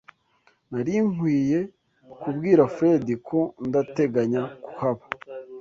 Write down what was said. Nari nkwiye kubwira Fredy ko ntateganya kuhaba.